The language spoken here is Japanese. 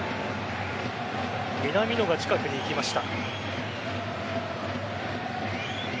南野が近くに行きました。